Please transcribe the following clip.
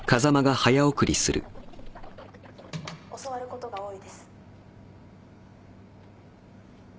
教わることが多いです。